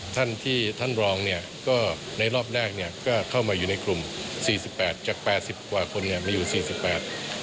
ท่านที่ท่านรองเนี่ยก็ในรอบแรกเนี่ยก็เข้ามาอยู่ในกลุ่มสี่สิบแปดจากแปดสิบกว่าคนเนี่ยมาอยู่สี่สิบแปด